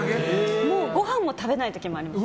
ご飯も食べない時もあります。